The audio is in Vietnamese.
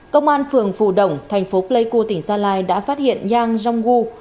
công an phường phù đồng thành phố pleiku tỉnh gia lai đã phát hiện yang rongwu